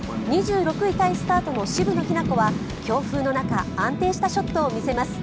２６位タイスタートの渋野日向子は強風の中安定したショットを見せます。